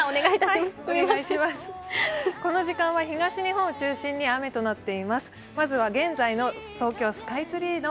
この時間は東日本を中心に雨となっています。